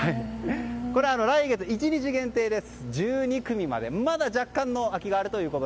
来月、１日限定です。